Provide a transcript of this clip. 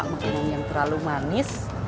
makan yang terlalu manis